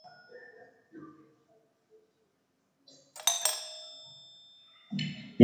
mia mbili na nne wakiwa raia wa kigeni